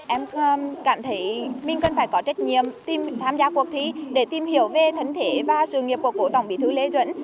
em cảm thấy mình cần phải có trách nhiệm tìm tham gia cuộc thi để tìm hiểu về thân thể và sự nghiệp của cố tổng bí thư lê duẩn